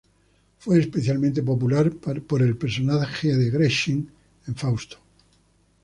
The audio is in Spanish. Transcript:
Fue especialmente popular por el personaje de Gretchen en "Fausto".